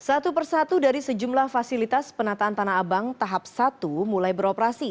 satu persatu dari sejumlah fasilitas penataan tanah abang tahap satu mulai beroperasi